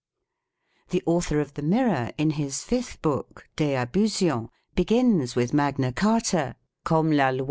4 The author of the " Mirror," in his fifth book, " De Abusions," begins with Magna Carta, "cum la lei 1 " Rot Parl."